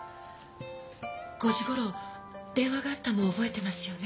５時頃電話があったのを覚えてますよね？